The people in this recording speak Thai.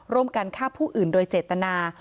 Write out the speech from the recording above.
ร่วมกันฆ่าผู้อื่นโดยเจตนา